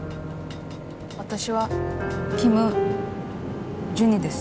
私はキム・ジュニです。